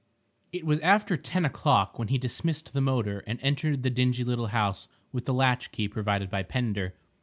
It was after ten o'clock when he dismissed the motor and entered the dingy little house with the latchkey provided by Pender.